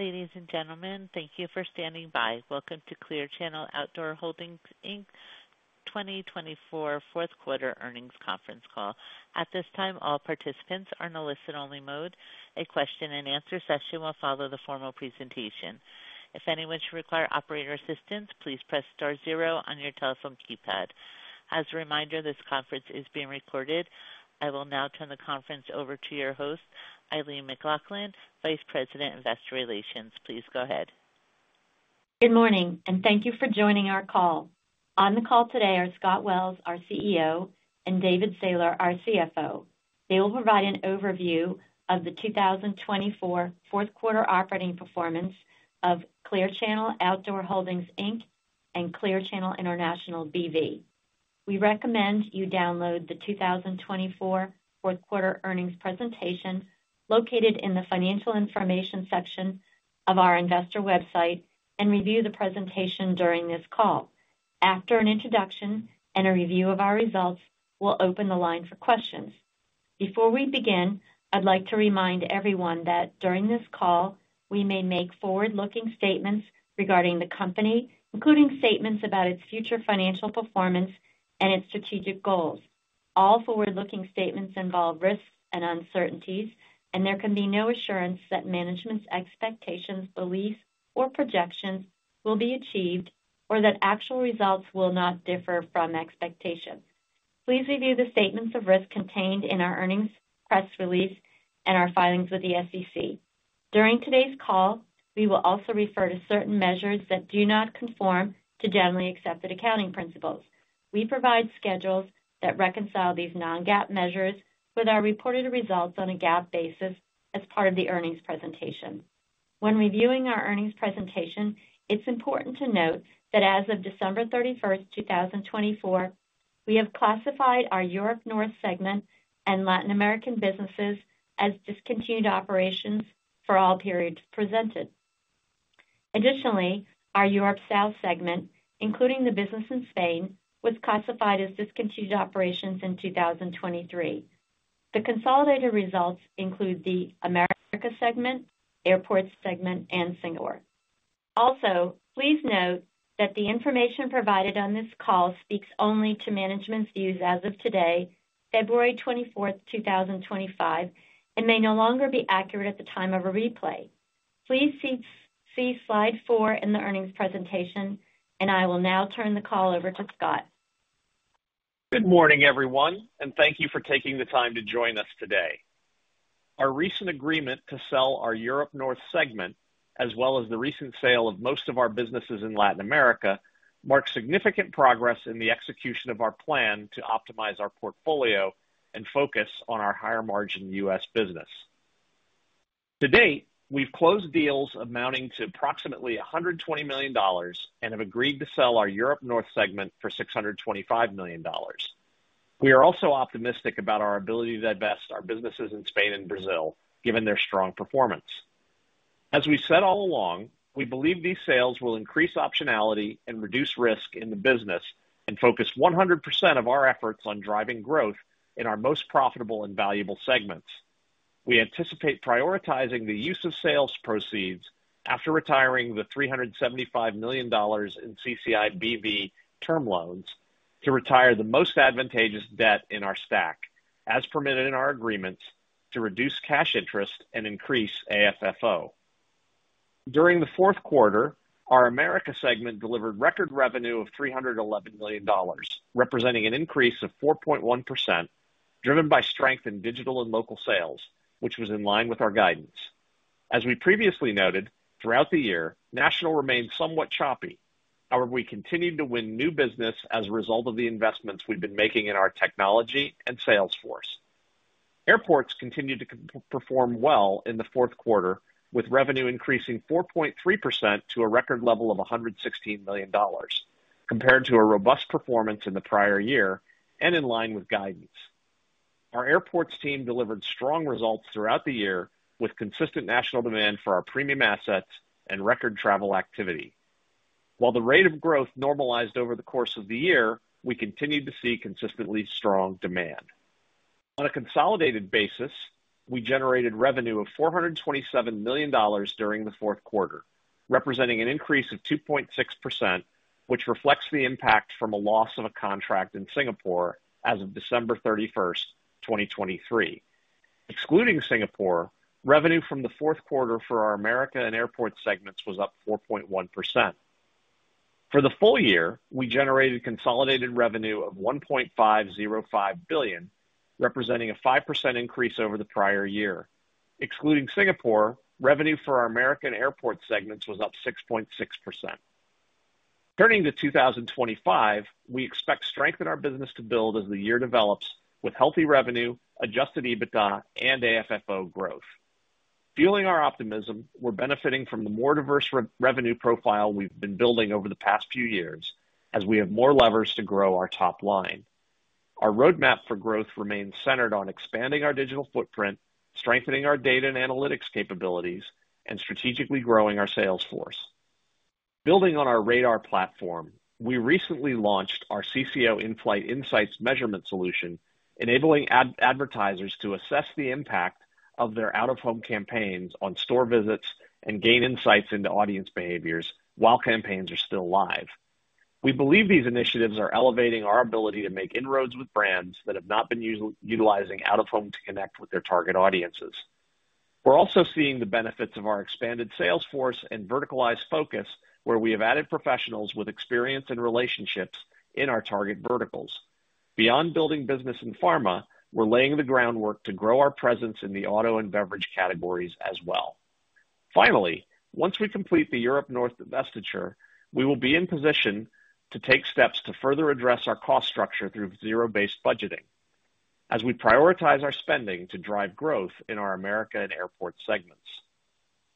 Ladies and gentlemen, thank you for standing by. Welcome to Clear Channel Outdoor Holdings, Inc 2024 Fourth Quarter Earnings Conference Call. At this time, all participants are in a listen-only mode. A question and answer session will follow the formal presentation. If anyone should require operator assistance, please press star zero on your telephone keypad. As a reminder, this conference is being recorded. I will now turn the conference over to your host, Eileen McLaughlin, Vice President of Investor Relations. Please go ahead. Good morning, and thank you for joining our call. On the call today are Scott Wells, our CEO, and David Sailer, our CFO. They will provide an overview of the 2024 Fourth Quarter operating performance of Clear Channel Outdoor Holdings, Inc and Clear Channel International B.V. We recommend you download the 2024 Fourth Quarter Earnings presentation located in the financial information section of our investor website and review the presentation during this call. After an introduction and a review of our results, we'll open the line for questions. Before we begin, I'd like to remind everyone that during this call, we may make forward-looking statements regarding the company, including statements about its future financial performance and its strategic goals. All forward-looking statements involve risks and uncertainties, and there can be no assurance that management's expectations, beliefs, or projections will be achieved or that actual results will not differ from expectations. Please review the statements of risk contained in our earnings press release and our filings with the SEC. During today's call, we will also refer to certain measures that do not conform to generally accepted accounting principles. We provide schedules that reconcile these non-GAAP measures with our reported results on a GAAP basis as part of the earnings presentation. When reviewing our earnings presentation, it's important to note that as of December 31, 2024, we have classified our Europe North segment and Latin American businesses as discontinued operations for all periods presented. Additionally, our Europe South segment, including the business in Spain, was classified as discontinued operations in 2023. The consolidated results include the America segment, Airports segment, and Singapore. Also, please note that the information provided on this call speaks only to management's views as of today, February 24, 2025, and may no longer be accurate at the time of a replay. Please see slide four in the earnings presentation, and I will now turn the call over to Scott. Good morning, everyone, and thank you for taking the time to join us today. Our recent agreement to sell our Europe North segment, as well as the recent sale of most of our businesses in Latin America, marks significant progress in the execution of our plan to optimize our portfolio and focus on our higher-margin U.S. business. To date, we've closed deals amounting to approximately $120 million and have agreed to sell our Europe North segment for $625 million. We are also optimistic about our ability to divest our businesses in Spain and Brazil, given their strong performance. As we said all along, we believe these sales will increase optionality and reduce risk in the business and focus 100% of our efforts on driving growth in our most profitable and valuable segments. We anticipate prioritizing the use of sales proceeds after retiring the $375 million in CCI B.V. term loans to retire the most advantageous debt in our stack, as permitted in our agreements, to reduce cash interest and increase AFFO. During the fourth quarter, our America segment delivered record revenue of $311 million, representing an increase of 4.1%, driven by strength in digital and local sales, which was in line with our guidance. As we previously noted, throughout the year, national remained somewhat choppy. However, we continued to win new business as a result of the investments we've been making in our technology and sales force. Airports continued to perform well in the fourth quarter, with revenue increasing 4.3% to a record level of $116 million, compared to a robust performance in the prior year and in line with guidance. Our Airports team delivered strong results throughout the year, with consistent national demand for our premium assets and record travel activity. While the rate of growth normalized over the course of the year, we continued to see consistently strong demand. On a consolidated basis, we generated revenue of $427 million during the fourth quarter, representing an increase of 2.6%, which reflects the impact from a loss of a contract in Singapore as of December 31, 2023. Excluding Singapore, revenue from the fourth quarter for our America and Airports segments was up 4.1%. For the full year, we generated consolidated revenue of $1.505 billion, representing a 5% increase over the prior year. Excluding Singapore, revenue for our America and Airports segments was up 6.6%. Turning to 2025, we expect strength in our business to build as the year develops, with healthy revenue, adjusted EBITDA, and AFFO growth. Fueling our optimism, we're benefiting from the more diverse revenue profile we've been building over the past few years, as we have more levers to grow our top line. Our roadmap for growth remains centered on expanding our digital footprint, strengthening our data and analytics capabilities, and strategically growing our sales force. Building on our RADAR platform, we recently launched our CCO In-Flight Insights measurement solution, enabling advertisers to assess the impact of their out-of-home campaigns on store visits and gain insights into audience behaviors while campaigns are still live. We believe these initiatives are elevating our ability to make inroads with brands that have not been utilizing out-of-home to connect with their target audiences. We're also seeing the benefits of our expanded sales force and verticalized focus, where we have added professionals with experience and relationships in our target verticals. Beyond building business in pharma, we're laying the groundwork to grow our presence in the auto and beverage categories as well. Finally, once we complete the Europe North divestiture, we will be in position to take steps to further address our cost structure through zero-based budgeting, as we prioritize our spending to drive growth in our America and Airports segments.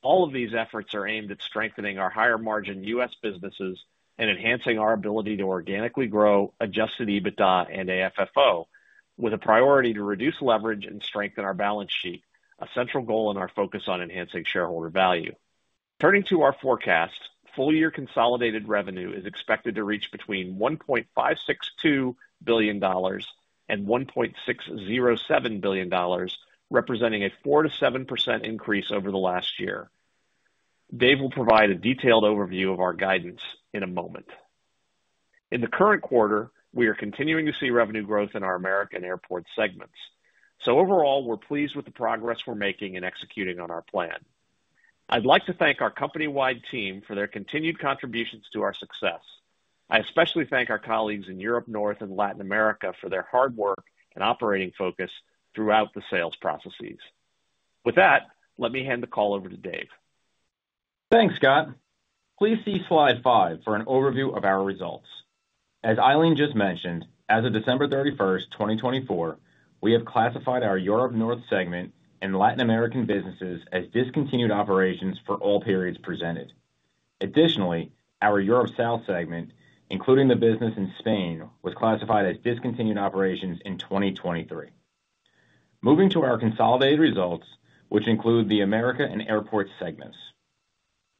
All of these efforts are aimed at strengthening our higher-margin U.S. businesses and enhancing our ability to organically grow adjusted EBITDA and AFFO, with a priority to reduce leverage and strengthen our balance sheet, a central goal in our focus on enhancing shareholder value. Turning to our forecast, full-year consolidated revenue is expected to reach between $1.562 billion and $1.607 billion, representing a 4% to 7% increase over the last year. Dave will provide a detailed overview of our guidance in a moment. In the current quarter, we are continuing to see revenue growth in our America and Airports segments. So overall, we're pleased with the progress we're making and executing on our plan. I'd like to thank our company-wide team for their continued contributions to our success. I especially thank our colleagues in Europe North and Latin America for their hard work and operating focus throughout the sales processes. With that, let me hand the call over to Dave. Thanks, Scott. Please see slide five for an overview of our results. As Eileen just mentioned, as of December 31, 2024, we have classified our Europe North segment and Latin American businesses as discontinued operations for all periods presented. Additionally, our Europe South segment, including the business in Spain, was classified as discontinued operations in 2023. Moving to our consolidated results, which include the America and Airports segments.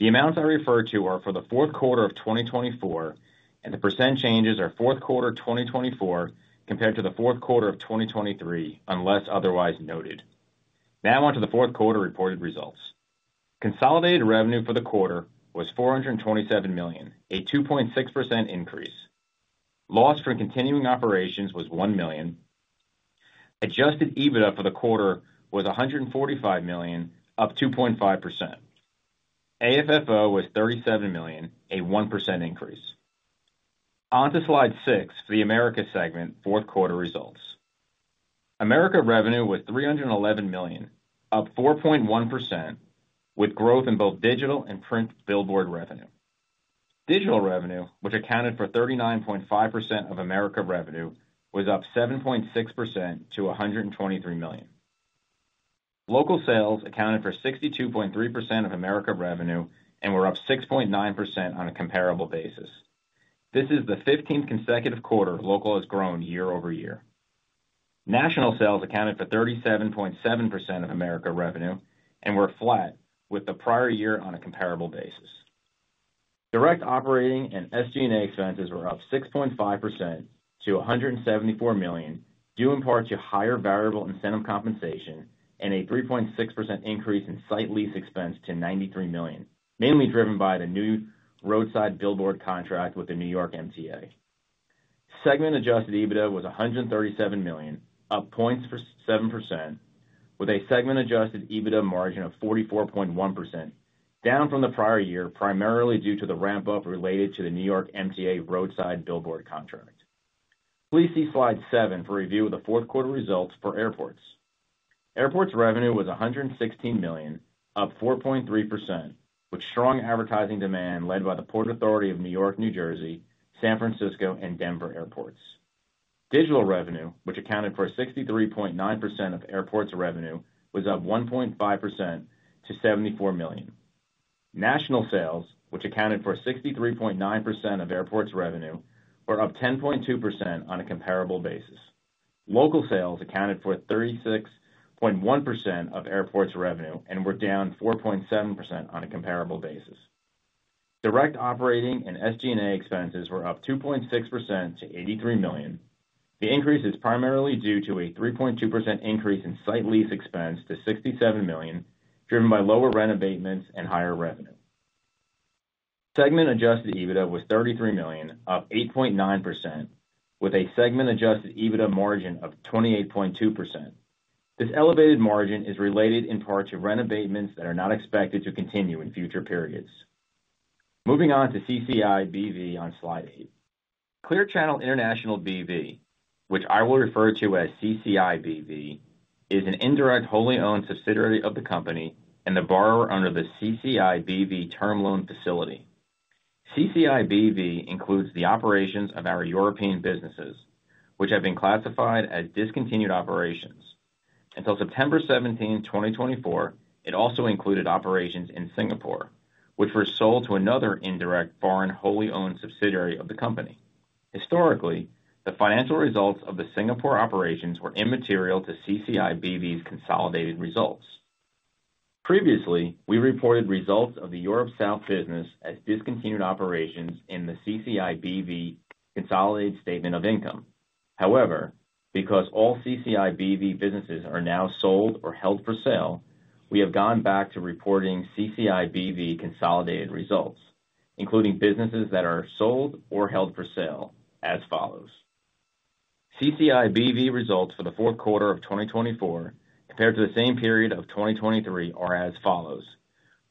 The amounts I refer to are for the fourth quarter of 2024, and the percent changes are fourth quarter 2024 compared to the fourth quarter of 2023, unless otherwise noted. Now on to the fourth quarter reported results. Consolidated revenue for the quarter was $427 million, a 2.6% increase. Loss from continuing operations was $1 million. Adjusted EBITDA for the quarter was $145 million, up 2.5%. AFFO was $37 million, a 1% increase. On to slide six for the America segment fourth quarter results. America revenue was $311 million, up 4.1%, with growth in both Digital and Print Billboard revenue. Digital revenue, which accounted for 39.5% of America revenue, was up 7.6% to $123 million. Local sales accounted for 62.3% of America revenue and were up 6.9% on a comparable basis. This is the 15th consecutive quarter local has grown year over year. National sales accounted for 37.7% of America revenue and were flat with the prior year on a comparable basis. Direct operating and SG&A expenses were up 6.5% to $174 million, due in part to higher variable incentive compensation and a 3.6% increase in site lease expense to $93 million, mainly driven by the new Roadside billboard contract with the New York MTA. Segment-adjusted EBITDA was $137 million, up 0.7%, with a segment-adjusted EBITDA margin of 44.1%, down from the prior year primarily due to the ramp-up related to the New York MTA Roadside Billboard contract. Please see slide seven for review of the fourth quarter results for Airports. Airports revenue was $116 million, up 4.3%, with strong advertising demand led by the Port Authority of New York and New Jersey, San Francisco, and Denver Airports. Digital revenue, which accounted for 63.9% of Airports revenue, was up 1.5% to $74 million. National sales, which accounted for 63.9% of Airports revenue, were up 10.2% on a comparable basis. Local sales accounted for 36.1% of Airports revenue and were down 4.7% on a comparable basis. Direct operating and SG&A expenses were up 2.6% to $83 million. The increase is primarily due to a 3.2% increase in site lease expense to $67 million, driven by lower rent abatements and higher revenue. Segment-adjusted EBITDA was $33 million, up 8.9%, with a segment-adjusted EBITDA margin of 28.2%. This elevated margin is related in part to rent abatements that are not expected to continue in future periods. Moving on to CCI B.V. on slide eight. Clear Channel International B.V., which I will refer to as CCI B.V., is an indirect wholly owned subsidiary of the company and the borrower under the CCI B.V. term loan facility. CCI B.V. includes the operations of our European businesses, which have been classified as discontinued operations. Until September 17, 2024, it also included operations in Singapore, which were sold to another indirect foreign wholly owned subsidiary of the company. Historically, the financial results of the Singapore operations were immaterial to CCI B.V.'s consolidated results. Previously, we reported results of the Europe South business as discontinued operations in the CCI B.V. consolidated statement of income. However, because all CCI B.V. businesses are now sold or held for sale, we have gone back to reporting CCI B.V. consolidated results, including businesses that are sold or held for sale, as follows. CCI B.V. results for the fourth quarter of 2024, compared to the same period of 2023, are as follows.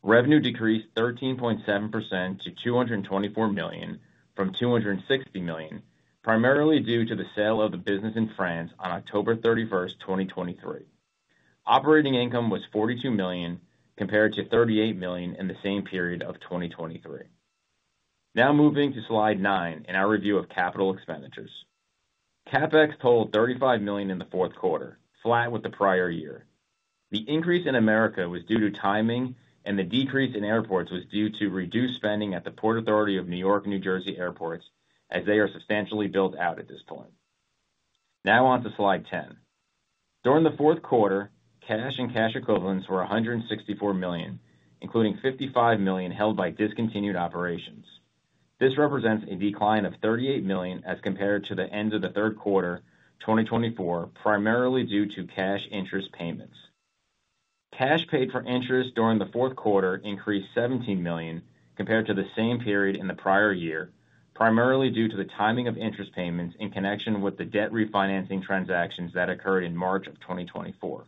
Revenue decreased 13.7% to $224 million from $260 million, primarily due to the sale of the business in France on October 31, 2023. Operating income was $42 million, compared to $38 million in the same period of 2023. Now moving to slide nine in our review of capital expenditures. CapEx totaled $35 million in the fourth quarter, flat with the prior year. The increase in America was due to timing, and the decrease in Airports was due to reduced spending at the Port Authority of New York and New Jersey Airports, as they are substantially built out at this point. Now on to slide 10. During the fourth quarter, cash and cash equivalents were $164 million, including $55 million held by discontinued operations. This represents a decline of $38 million as compared to the end of the third quarter 2024, primarily due to cash interest payments. Cash paid for interest during the fourth quarter increased $17 million, compared to the same period in the prior year, primarily due to the timing of interest payments in connection with the debt refinancing transactions that occurred in March of 2024.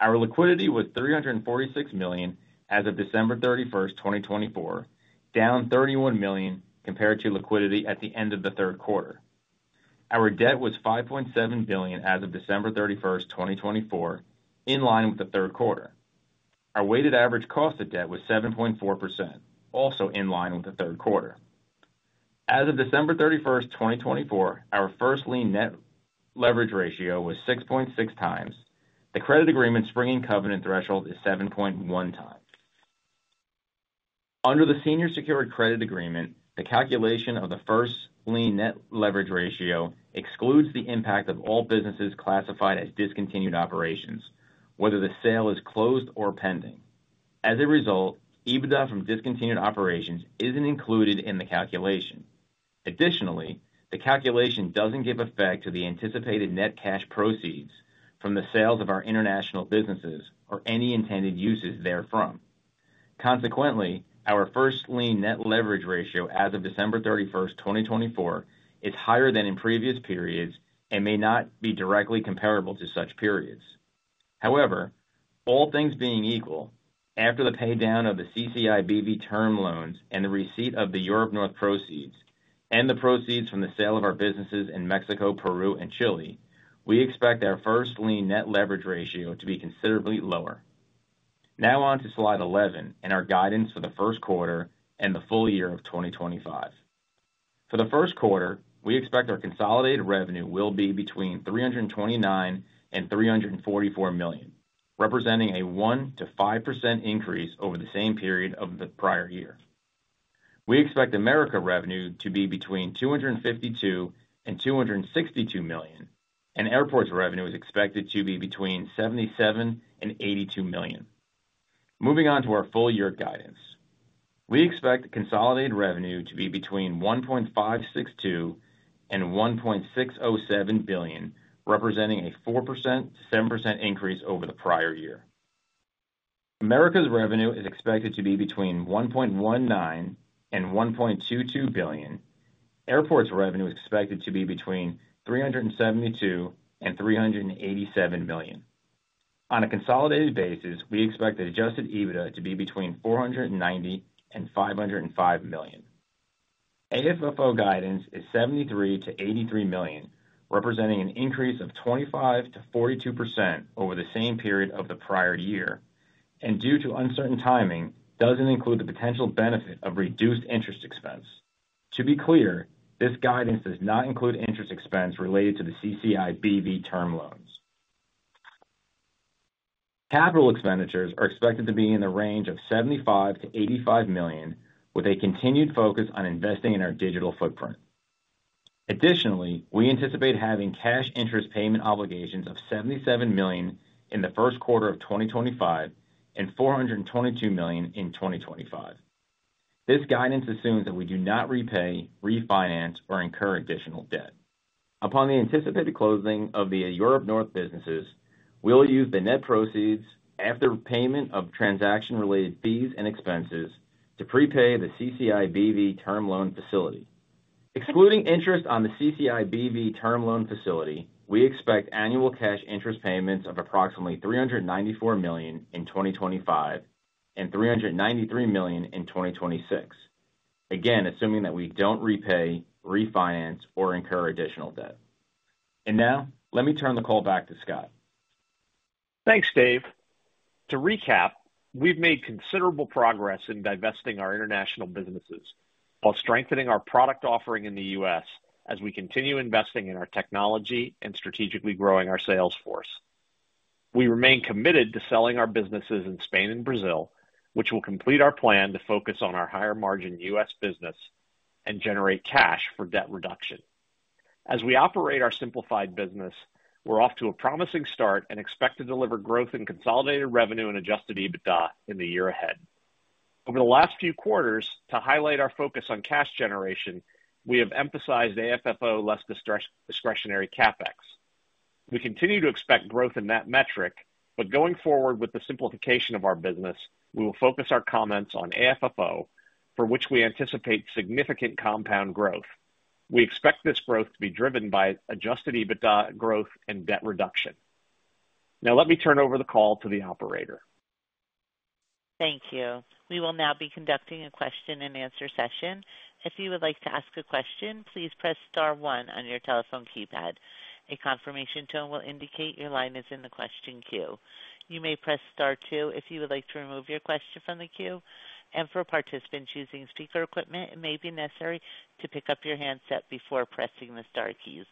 Our liquidity was $346 million as of December 31, 2024, down $31 million compared to liquidity at the end of the third quarter. Our debt was $5.7 billion as of December 31, 2024, in line with the third quarter. Our weighted average cost of debt was 7.4%, also in line with the third quarter. As of December 31, 2024, our first lien net leverage ratio was 6.6x. The credit agreement's springing covenant threshold is 7.1x. Under the senior secured credit agreement, the calculation of the first lien net leverage ratio excludes the impact of all businesses classified as discontinued operations, whether the sale is closed or pending. As a result, EBITDA from discontinued operations isn't included in the calculation. Additionally, the calculation doesn't give effect to the anticipated net cash proceeds from the sales of our international businesses or any intended uses therefrom. Consequently, our first lien net leverage ratio as of December 31, 2024, is higher than in previous periods and may not be directly comparable to such periods. However, all things being equal, after the paydown of the CCI B.V. term loans and the receipt of the Europe North proceeds and the proceeds from the sale of our businesses in Mexico, Peru, and Chile, we expect our first lien net leverage ratio to be considerably lower. Now on to slide 11 in our guidance for the first quarter and the full year of 2025. For the first quarter, we expect our consolidated revenue will be between $329 million and $344 million, representing a 1% -5% increase over the same period of the prior year. We expect America revenue to be between $252 million and $262 million, and Airports revenue is expected to be between $77 million and $82 million. Moving on to our full year guidance. We expect consolidated revenue to be between $1.562 billion and $1.607 billion, representing a 4% to 7% increase over the prior year. America revenue is expected to be between $1.19 billion and $1.22 billion. Airports revenue is expected to be between $372 million and $387 million. On a consolidated basis, we expect the Adjusted EBITDA to be between $490 million and $505 million. AFFO guidance is $73 million to $83 million, representing an increase of 25% to 42% over the same period of the prior year, and due to uncertain timing, doesn't include the potential benefit of reduced interest expense. To be clear, this guidance does not include interest expense related to the CCI B.V. term loans. Capital expenditures are expected to be in the range of $75 million to $85 million, with a continued focus on investing in our digital footprint. Additionally, we anticipate having cash interest payment obligations of $77 million in the first quarter of 2025 and $422 million in 2025. This guidance assumes that we do not repay, refinance, or incur additional debt. Upon the anticipated closing of the Europe North businesses, we'll use the net proceeds after payment of transaction-related fees and expenses to prepay the CCI B.V. term loan facility. Excluding interest on the CCI B.V. term loan facility, we expect annual cash interest payments of approximately $394 million in 2025 and $393 million in 2026, again, assuming that we don't repay, refinance, or incur additional debt. And now, let me turn the call back to Scott. Thanks, Dave. To recap, we've made considerable progress in divesting our international businesses while strengthening our product offering in the U.S. as we continue investing in our technology and strategically growing our sales force. We remain committed to selling our businesses in Spain and Brazil, which will complete our plan to focus on our higher margin U.S. business and generate cash for debt reduction. As we operate our simplified business, we're off to a promising start and expect to deliver growth in consolidated revenue and Adjusted EBITDA in the year ahead. Over the last few quarters, to highlight our focus on cash generation, we have emphasized AFFO less discretionary CapEx. We continue to expect growth in that metric, but going forward with the simplification of our business, we will focus our comments on AFFO, for which we anticipate significant compound growth. We expect this growth to be driven by Adjusted EBITDA growth and debt reduction. Now, let me turn over the call to the operator. Thank you. We will now be conducting a question andanswer session. If you would like to ask a question, please press star one on your telephone keypad. A confirmation tone will indicate your line is in the question queue. You may press star two if you would like to remove your question from the queue. And for participants using speaker equipment, it may be necessary to pick up your handset before pressing the star keys.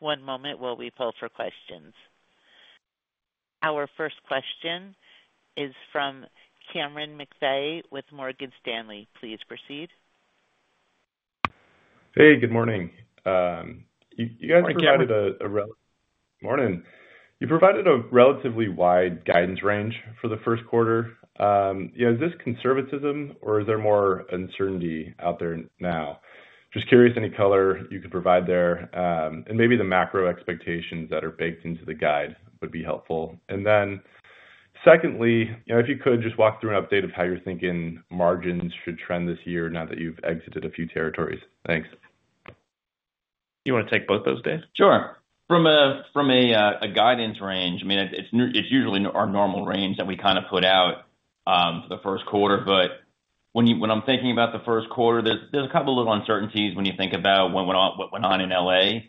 One moment while we pull for questions. Our first question is from Cameron McVeigh with Morgan Stanley. Please proceed. Hey, good morning. Good morning. Morning. You guys provided a relatively wide guidance range for the first quarter. Is this conservatism, or is there more uncertainty out there now? Just curious any color you could provide there, and maybe the macro expectations that are baked into the guide would be helpful. And then secondly, if you could just walk through an update of how you're thinking margins should trend this year now that you've exited a few territories. Thanks. You want to take both those, Dave? Sure. From a guidance range, I mean, it's usually our normal range that we kind of put out for the first quarter, but when I'm thinking about the first quarter, there's a couple of little uncertainties when you think about what went on in LA,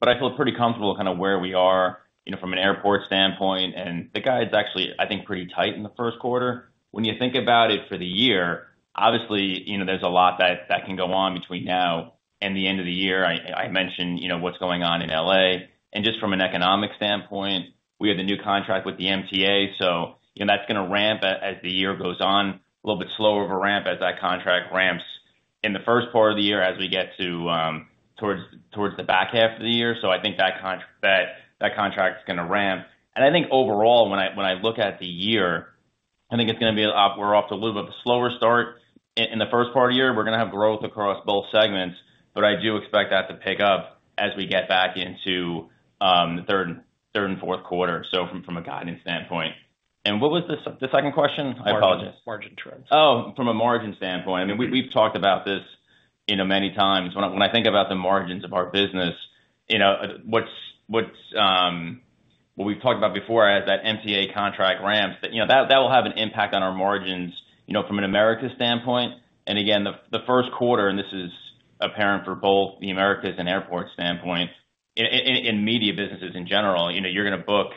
but I feel pretty comfortable kind of where we are from an airport standpoint, and the guide's actually, I think, pretty tight in the first quarter. When you think about it for the year, obviously, there's a lot that can go on between now and the end of the year. I mentioned what's going on in LA. And just from an economic standpoint, we have the new contract with the MTA, so that's going to ramp as the year goes on, a little bit slower of a ramp as that contract ramps in the first part of the year as we get towards the back half of the year. So I think that contract's going to ramp. And I think overall, when I look at the year, I think it's going to be, we're off to a little bit of a slower start in the first part of the year. We're going to have growth across both segments, but I do expect that to pick up as we get back into the third and fourth quarter, so from a guidance standpoint. And what was the second question? I apologize. Margin trends. Oh, from a margin standpoint. I mean, we've talked about this many times. When I think about the margins of our business, what we've talked about before as that MTA contract ramps, that will have an impact on our margins from an Americas standpoint. And again, the first quarter, and this is apparent for both the Americas and Airports standpoint, in media businesses in general, you're going to book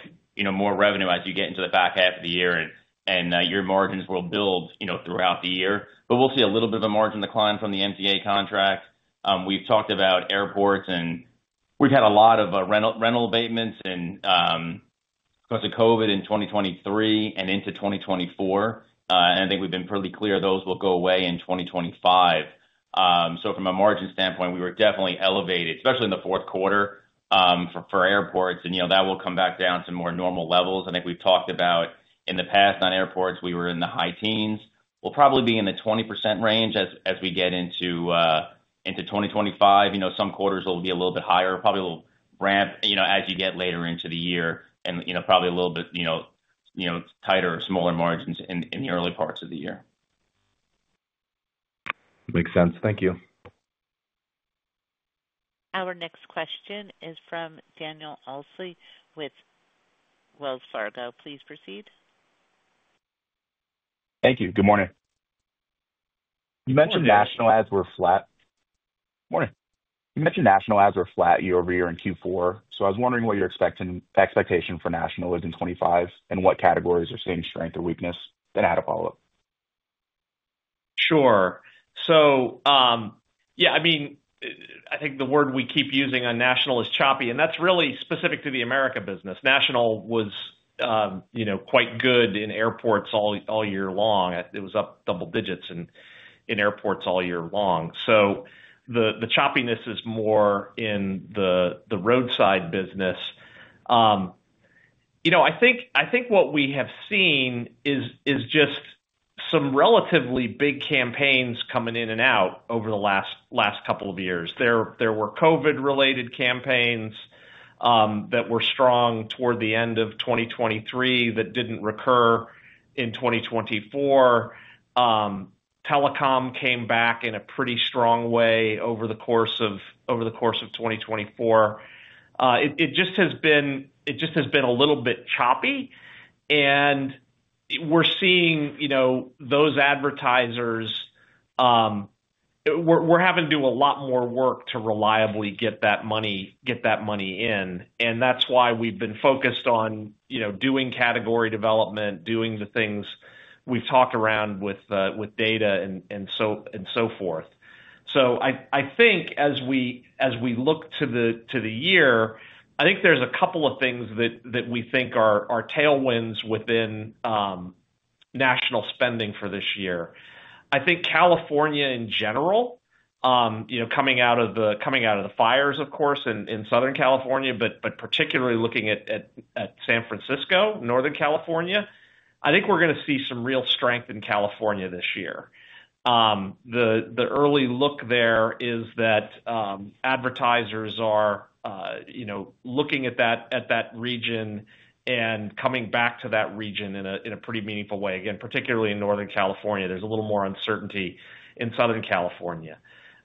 more revenue as you get into the back half of the year, and your margins will build throughout the year. But we'll see a little bit of a margin decline from the MTA contract. We've talked about Airports, and we've had a lot of rental abatements because of COVID in 2023 and into 2024. And I think we've been pretty clear those will go away in 2025. So from a margin standpoint, we were definitely elevated, especially in the fourth quarter for Airports. And that will come back down to more normal levels. I think we've talked about in the past on Airports, we were in the high teens. We'll probably be in the 20% range as we get into 2025. Some quarters will be a little bit higher, probably will ramp as you get later into the year, and probably a little bit tighter or smaller margins in the early parts of the year. Makes sense. Thank you. Our next question is from Daniel Osley with Wells Fargo. Please proceed. Thank you. Good morning. Morning. You mentioned national ads were flat year over year in Q4. So I was wondering what your expectation for national is in 2025 and what categories are seeing strength or weakness? Then i have a follow-up. Sure. So yeah, I mean, I think the word we keep using on National is choppy, and that's really specific to the America business. National was quite good in Airports all year long. It was up double digits in Airports all year long. So the choppiness is more in the Roadside business. I think what we have seen is just some relatively big campaigns coming in and out over the last couple of years. There were COVID-related campaigns that were strong toward the end of 2023 that didn't recur in 2024. Telecom came back in a pretty strong way over the course of 2024. It just has been a little bit choppy. And we're seeing those advertisers. We're having to do a lot more work to reliably get that money in. That's why we've been focused on doing category development, doing the things we've talked around with data and so forth. I think as we look to the year, I think there's a couple of things that we think are tailwinds within national spending for this year. I think California in general, coming out of the fires, of course, in Southern California, but particularly looking at San Francisco, Northern California, I think we're going to see some real strength in California this year. The early look there is that advertisers are looking at that region and coming back to that region in a pretty meaningful way. Again, particularly in Northern California, there's a little more uncertainty in Southern California.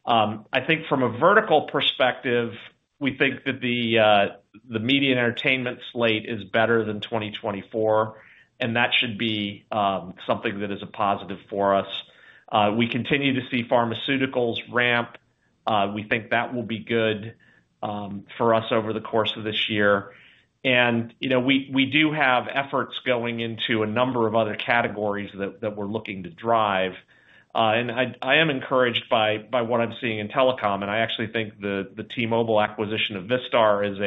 I think from a vertical perspective, we think that the media entertainment slate is better than 2024, and that should be something that is a positive for us. We continue to see Pharmaceuticals ramp. We think that will be good for us over the course of this year. And we do have efforts going into a number of other categories that we're looking to drive. And I am encouraged by what I'm seeing in telecom. And I actually think the T-Mobile acquisition of Vistar is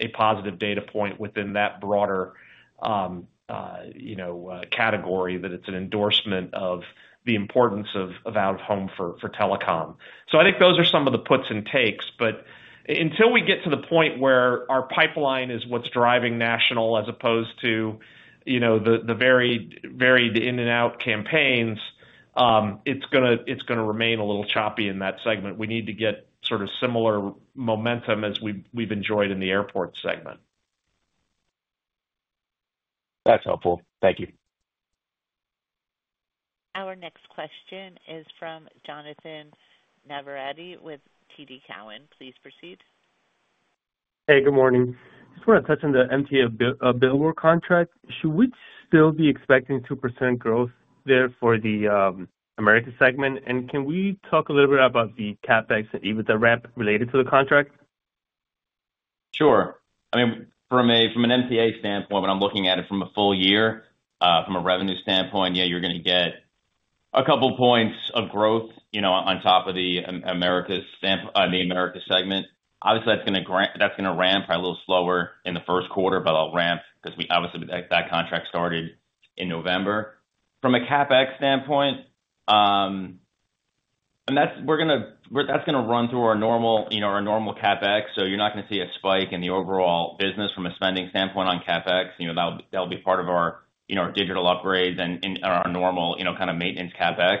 a positive data point within that broader category that it's an endorsement of the importance of Out-of-Home for Telecom. So I think those are some of the puts and takes. But until we get to the point where our pipeline is what's driving national as opposed to the varied in-and-out campaigns, it's going to remain a little choppy in that segment. We need to get sort of similar momentum as we've enjoyed in the Airport Segment. That's helpful. Thank you. Our next question is from Jonathan Navarrete with TD Cowen. Please proceed. Hey, good morning. Just want to touch on the MTA billboard contract. Should we still be expecting 2% growth there for the Americas segment? And can we talk a little bit about the CapEx and EBITDA ramp related to the contract? Sure. I mean, from an MTA standpoint, when I'm looking at it from a full year, from a revenue standpoint, yeah, you're going to get a couple of points of growth on top of the America segment. Obviously, that's going to ramp a little slower in the first quarter, but it'll ramp because obviously that contract started in November. From a CapEx standpoint, we're going to, that's going to run through our normal CapEx. So you're not going to see a spike in the overall business from a spending standpoint on CapEx. That'll be part of our digital upgrades and our normal kind of maintenance CapEx. I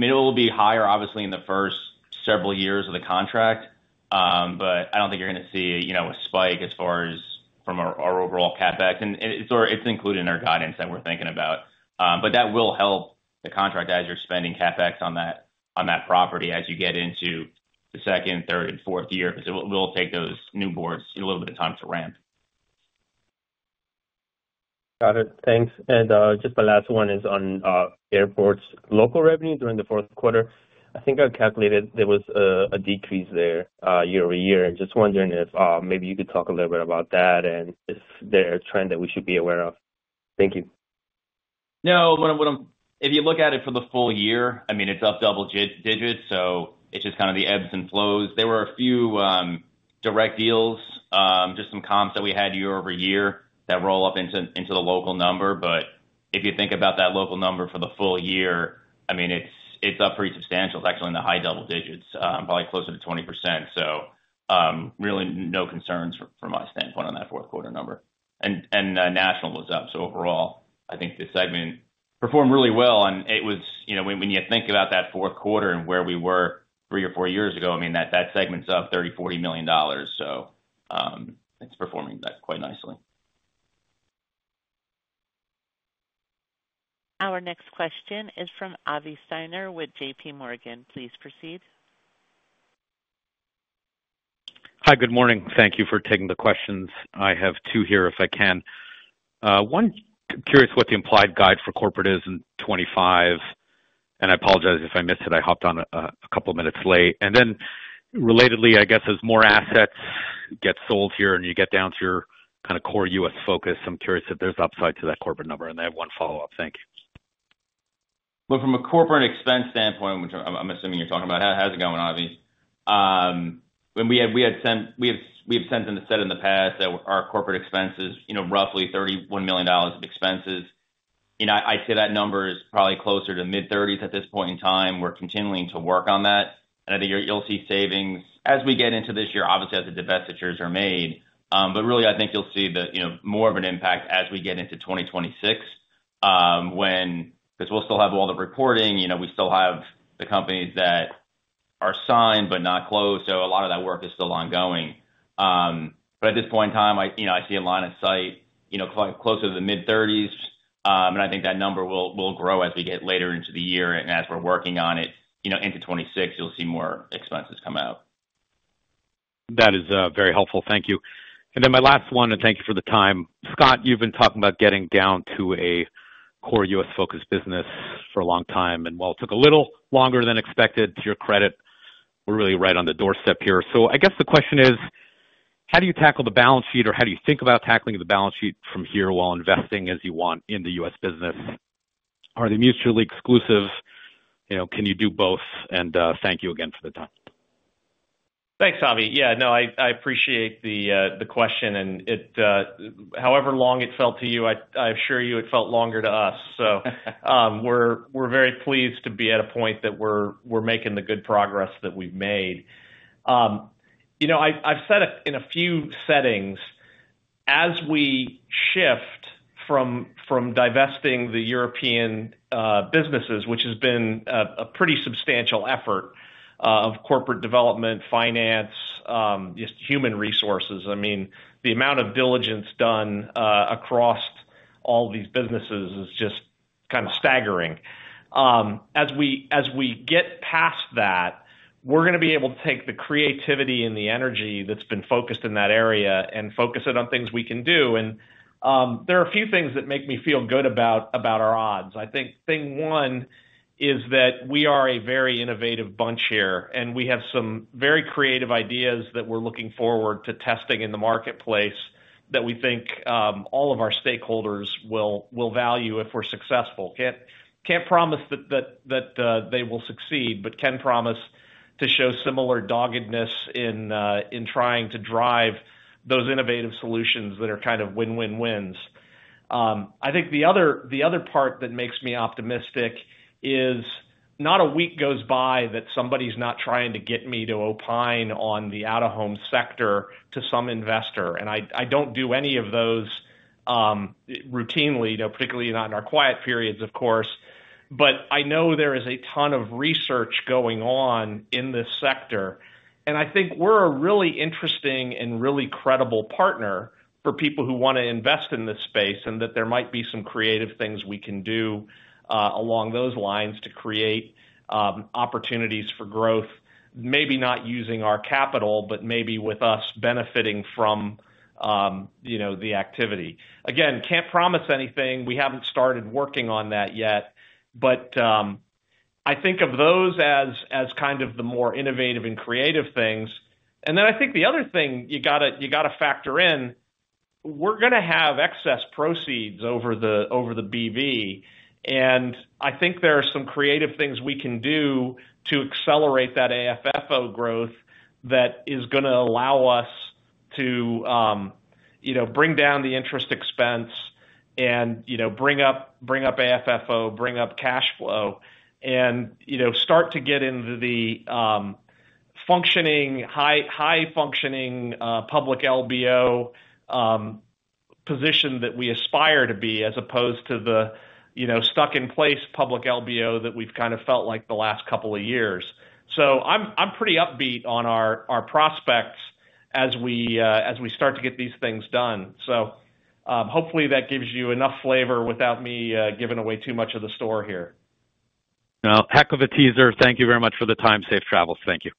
mean, it will be higher, obviously, in the first several years of the contract. But I don't think you're going to see a spike as far as from our overall CapEx. And it's included in our guidance that we're thinking about. But that will help the contract as you're spending CapEx on that property as you get into the second, third, and fourth year. It'll take those new boards a little bit of time to ramp. Got it. Thanks. And just the last one is on Airports' local revenue during the fourth quarter. I think I calculated there was a decrease there year over year. Just wondering if maybe you could talk a little bit about that and if there are trends that we should be aware of? Thank you. No, if you look at it for the full year, I mean, it's up double digits, so it's just kind of the ebbs and flows. There were a few direct deals, just some comps that we had year over year that roll up into the local number, but if you think about that local number for the full year, I mean, it's up pretty substantial. It's actually in the high double digits, probably closer to 20%, so really no concerns from my standpoint on that fourth quarter number, and national was up, so overall, I think the segment performed really well, and when you think about that fourth quarter and where we were three or four years ago, I mean, that segment's up $30-$40 million, so it's performing quite nicely. Our next question is from Avi Steiner with JPMorgan. Please proceed. Hi, good morning. Thank you for taking the questions. I have two here if I can. One, curious what the implied guide for corporate is in 2025. And I apologize if I missed it. I hopped on a couple of minutes late. And then relatedly, I guess as more assets get sold here and you get down to your kind of core U.S. focus, I'm curious if there's upside to that corporate number. And I have one follow-up. Thank you. From a corporate expense standpoint, which I'm assuming you're talking about, how's it going, Avi? We have said in the past that our corporate expenses, roughly $31 million of expenses. I'd say that number is probably closer to mid-30s at this point in time. We're continuing to work on that. I think you'll see savings as we get into this year, obviously, as the divestitures are made. Really, I think you'll see more of an impact as we get into 2026 because we'll still have all the reporting. We still have the companies that are signed but not closed. So a lot of that work is still ongoing. At this point in time, I see a line of sight closer to the mid-30s. I think that number will grow as we get later into the year and as we're working on it into 2026, you'll see more expenses come out. That is very helpful. Thank you. And then my last one, and thank you for the time. Scott, you've been talking about getting down to a core U.S. focused business for a long time. And while it took a little longer than expected, to your credit, we're really right on the doorstep here. So I guess the question is, how do you tackle the balance sheet or how do you think about tackling the balance sheet from here while investing as you want in the U.S. business? Are they mutually exclusive? Can you do both? And thank you again for the time. Thanks, Avi. Yeah, no, I appreciate the question, and however long it felt to you, I assure you it felt longer to us, so we're very pleased to be at a point that we're making the good progress that we've made. I've said in a few settings, as we shift from divesting the European businesses, which has been a pretty substantial effort of corporate development, finance, just human resources, I mean, the amount of diligence done across all these businesses is just kind of staggering. As we get past that, we're going to be able to take the creativity and the energy that's been focused in that area and focus it on things we can do, and there are a few things that make me feel good about our odds. I think thing one is that we are a very innovative bunch here, and we have some very creative ideas that we're looking forward to testing in the marketplace that we think all of our stakeholders will value if we're successful. Can't promise that they will succeed, but can promise to show similar doggedness in trying to drive those innovative solutions that are kind of win-win-wins. I think the other part that makes me optimistic is not a week goes by that somebody's not trying to get me to opine on the out-of-home sector to some investor. And I don't do any of those routinely, particularly not in our quiet periods, of course. But I know there is a ton of research going on in this sector. I think we're a really interesting and really credible partner for people who want to invest in this space and that there might be some creative things we can do along those lines to create opportunities for growth, maybe not using our capital, but maybe with us benefiting from the activity. Again, can't promise anything. We haven't started working on that yet. I think of those as kind of the more innovative and creative things. I think the other thing you got to factor in, we're going to have excess proceeds over the B.V. I think there are some creative things we can do to accelerate that AFFO growth that is going to allow us to bring down the interest expense and bring up AFFO, bring up cash flow, and start to get into the high-functioning Public LBO position that we aspire to be as opposed to the stuck-in-place Public LBO that we've kind of felt like the last couple of years. I'm pretty upbeat on our prospects as we start to get these things done. Hopefully that gives you enough flavor without me giving away too much of the store here. Now, heck of a teaser. Thank you very much for the time. Safe travels. Thank you.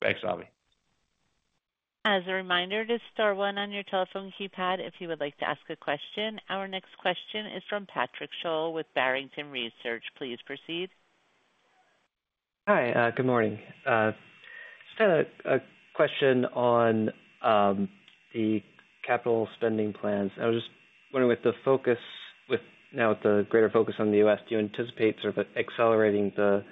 Thanks, Avi. As a reminder, to star one on your telephone keypad if you would like to ask a question. Our next question is from Patrick Sholl with Barrington Research. Please proceed. Hi, good morning. Just had a question on the capital spending plans. I was just wondering with the focus now with the greater focus on the U.S. do you anticipate sort of accelerating the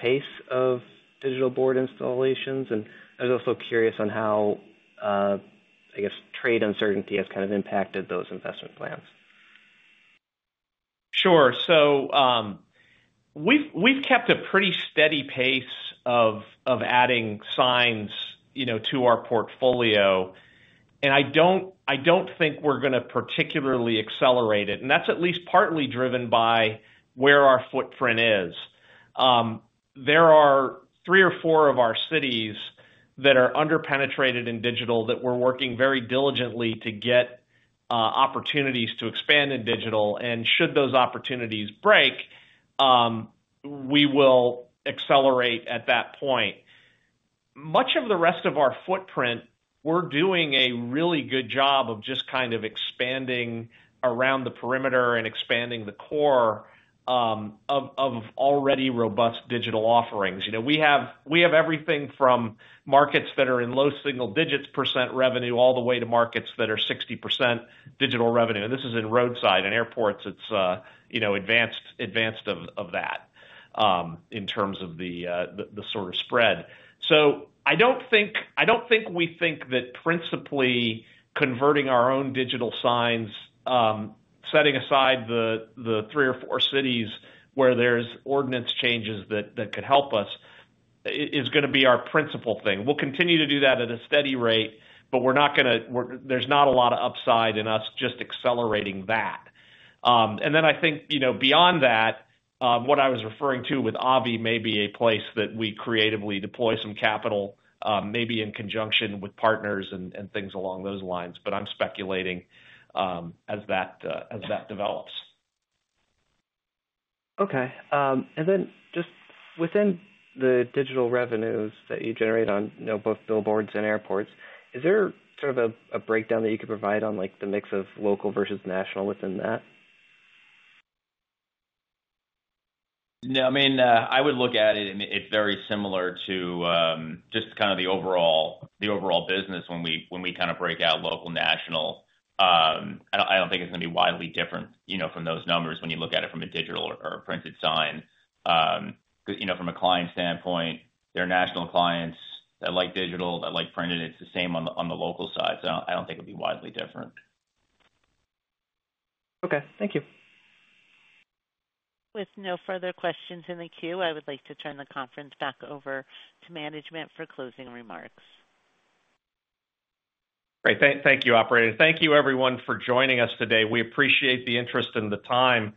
pace of digital billboard installations? And I was also curious on how, I guess, trade uncertainty has kind of impacted those investment plans. Sure. So we've kept a pretty steady pace of adding signs to our portfolio. And I don't think we're going to particularly accelerate it. And that's at least partly driven by where our footprint is. There are three or four of our cities that are underpenetrated in Digital that we're working very diligently to get opportunities to expand in Digital. And should those opportunities break, we will accelerate at that point. Much of the rest of our footprint, we're doing a really good job of just kind of expanding around the perimeter and expanding the core of already robust Digital offerings. We have everything from markets that are in low single digits percentage revenue all the way to markets that are 60% Digital revenue. And this is in Roadside. In Airports, it's ahead of that in terms of the sort of spread. So I don't think we think that principally converting our own Digital signs, setting aside the three or four cities where there's ordinance changes that could help us, is going to be our principal thing. We'll continue to do that at a steady rate, but we're not going to. There's not a lot of upside in us just accelerating that. And then I think beyond that, what I was referring to with Avi may be a place that we creatively deploy some capital, maybe in conjunction with partners and things along those lines. But I'm speculating as that develops. Okay. And then just within the digital revenues that you generate on both billboards and Airports, is there sort of a breakdown that you could provide on the mix of local versus national within that? No. I mean, I would look at it. It's very similar to just kind of the overall business when we kind of break out local national. I don't think it's going to be widely different from those numbers when you look at it from a digital or printed sign. From a client standpoint, there are national clients that like digital, that like printed. It's the same on the local side. So I don't think it would be widely different. Okay. Thank you. With no further questions in the queue, I would like to turn the conference back over to management for closing remarks. Great. Thank you, operator. Thank you, everyone, for joining us today. We appreciate the interest and the time.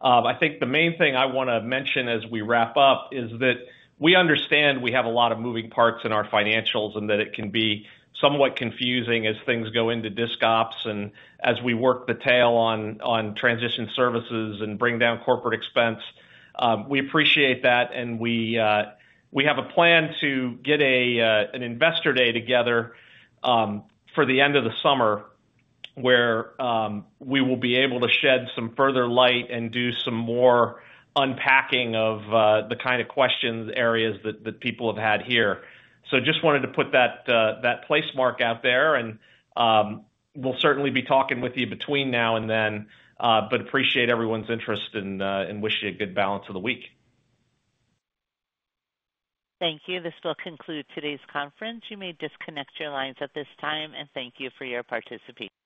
I think the main thing I want to mention as we wrap up is that we understand we have a lot of moving parts in our financials and that it can be somewhat confusing as things go into disc ops and as we work the tail on transition services and bring down corporate expense. We appreciate that. And we have a plan to get an investor day together for the end of the summer where we will be able to shed some further light and do some more unpacking of the kind of questions, areas that people have had here. So just wanted to put that placemark out there. We'll certainly be talking with you between now and then, but appreciate everyone's interest and wish you a good balance of the week. Thank you. This will conclude today's conference. You may disconnect your lines at this time, and thank you for your participation.